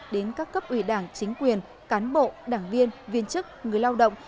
đến các cấp ủy đảng chính quyền cán bộ đảng viên viên chức người lao động